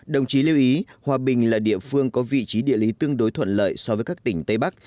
đồng chí lưu ý hòa bình là địa phương có vị trí địa lý tương đối thuận lợi so với các tỉnh tây bắc